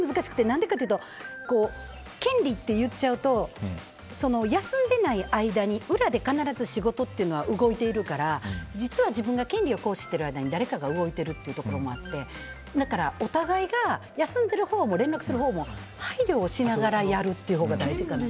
なんでかというと権利って言っちゃうと休んでない間に裏で必ず仕事って動いてるから実は自分が権利を行使している間に誰かが動いているというところもあってだからお互いが休んでるほうも連絡するほうも配慮をしながらやるっていうほうが大事かな。